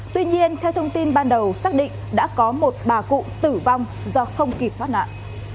tuy nhiên theo thông tin ban đầu xác định đã có một bà cụ tử vong do không kịp thoát nạn